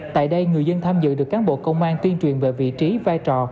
tại đây người dân tham dự được cán bộ công an tuyên truyền về vị trí vai trò